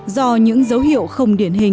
do những dấu hiệu không điển hình